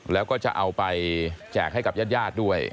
แล้วก็จะเอาไปแจกให้กับญาติด้วย